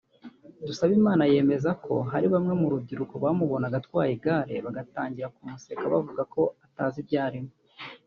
Dusabimana yemeza ko hari bamwe mu rubyiruko bamubonaga atwaye igare bagatangira kumuseka bavuga ko atazi ibyo arimo